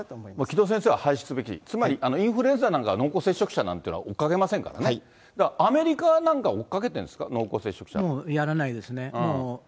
城戸先生は廃止すべき、つまりインフルエンザなんか、濃厚接触者なんていうのは追っかけませんからね、アメリカなんかは追っもうやらないですね。